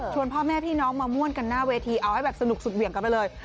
พ่อแม่พี่น้องมาม่วนกันหน้าเวทีเอาให้แบบสนุกสุดเหวี่ยงกันไปเลย